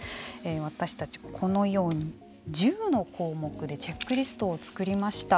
私たち、このように１０の項目でチェックリストを作りました。